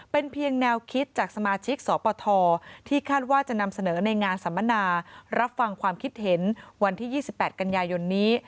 เป็นเพียงแนวคิดจากสมาชิกสปทที่คาดว่าจะนำเสนอในงานสัมมนารับฟังความคิดเห็นวันที่๒๘กันยายนนี้